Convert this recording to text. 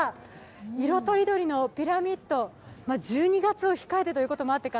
色とりどりのピラミッド、１２月を控えてということもあってか